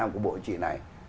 của bộ chính trị này